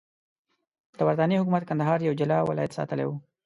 د برټانیې حکومت کندهار یو جلا ولایت ساتلی وو.